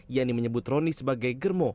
yakni menyebut rony sebagai germo